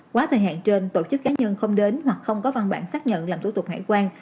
quá thời hạn trên tổ chức cá nhân không đến hoặc không có văn bản xác nhận làm thủ tục hải quan